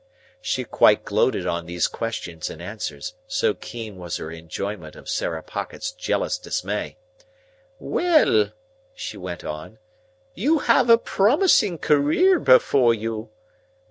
She quite gloated on these questions and answers, so keen was her enjoyment of Sarah Pocket's jealous dismay. "Well!" she went on; "you have a promising career before you.